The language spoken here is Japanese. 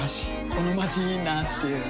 このまちいいなぁっていう